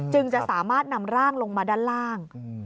จะสามารถนำร่างลงมาด้านล่าง